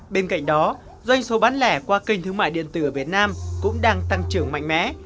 bên cạnh đó doanh số bán lẻ qua kênh thương mại điện tử ở việt nam cũng đang tăng trưởng mạnh mẽ